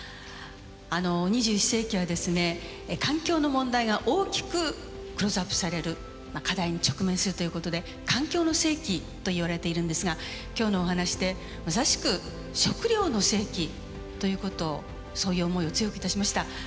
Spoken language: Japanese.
２１世紀はですね環境の問題が大きくクローズアップされる課題に直面するということで環境の世紀といわれているんですが今日のお話でまさしく食料の世紀ということをそういう思いを強くいたしました。